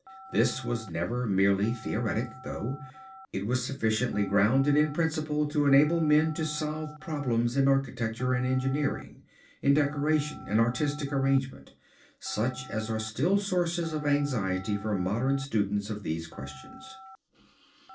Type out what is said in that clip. This was never merely theoretic, though, it was sufficiently grounded in principle to enable men to solve problems in architecture and engineering, in decoration and artistic arrangement, such as are still sources of anxiety for modern students of these questions.